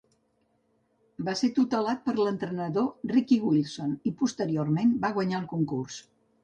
Va ser tutelat per l'entrenador Ricky Wilson i posteriorment va guanyar el concurs.